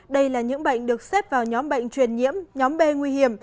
đây là những bệnh được xếp vào nhóm bệnh truyền nhiễm nhóm b nguy hiểm